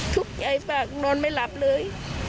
ทุกข์ใจมากนอนไม่หลับเลย